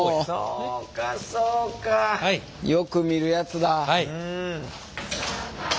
そうかそうかよく見るやつだ。